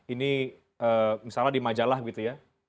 ini misalnya di majalah gitu ya